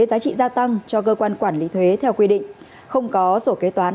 giá trị gia tăng cho cơ quan quản lý thuế theo quy định không có sổ kế toán